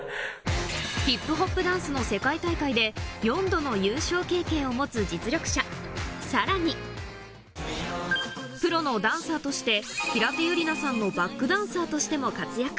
ＨＩＰ−ＨＯＰダンスの世界大会で４度の優勝経験を持つ実力者さらにプロのダンサーとして平手友梨奈さんのバックダンサーとしても活躍